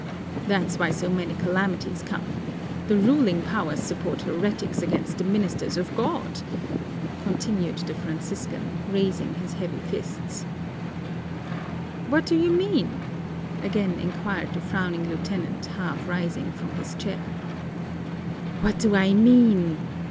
"That's why so many calamities come! The ruling powers support heretics against the ministers of God!" continued the Franciscan, raising his heavy fists. "What do you mean?" again inquired the frowning lieutenant, half rising from his chair. "What do I mean?"